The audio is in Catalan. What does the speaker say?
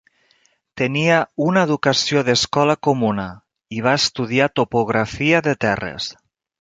Tenia una educació d'escola comuna, i va estudiar topografia de terres.